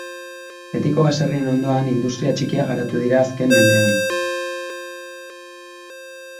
Betiko baserrien ondoan, industria txikiak garatu dira azken mendean.